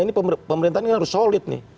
ini pemerintah ini harus solid nih